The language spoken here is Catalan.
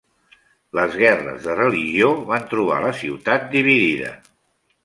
Les guerres de Religió van trobar la ciutat dividida.